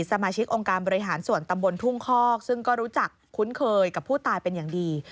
สมาชิกองค์การบริหารส่วนตำบลทุ่งคอกซึ่งก็รู้จักคุ้นเคยกับผู้ตายเป็นอย่างดี